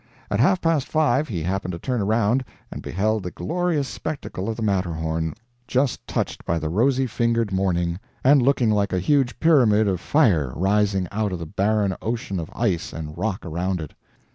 At half past five he happened to turn around, and "beheld the glorious spectacle of the Matterhorn, just touched by the rosy fingered morning, and looking like a huge pyramid of fire rising out of the barren ocean of ice and rock around it."